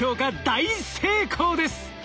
大成功です。